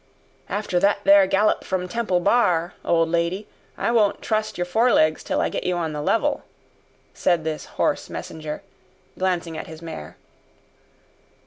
"After that there gallop from Temple Bar, old lady, I won't trust your fore legs till I get you on the level," said this hoarse messenger, glancing at his mare.